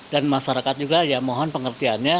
dan masyarakat juga ya mohon pengertiannya